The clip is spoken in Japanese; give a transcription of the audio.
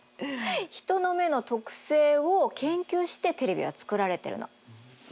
人の目の特性を研究してテレビは作られてるの。